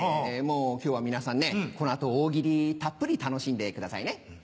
今日は皆さんねこの後大喜利たっぷり楽しんでくださいね。